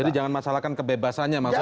jadi jangan masalahkan kebebasannya maksudnya